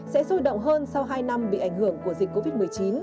sẽ sôi động hơn sau hai năm bị ảnh hưởng của dịch covid một mươi chín